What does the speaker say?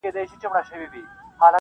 نجلۍ په درد کي ښورېږي او ساه يې تنګه ده-